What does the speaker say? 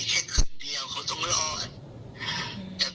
เขาต้องรอย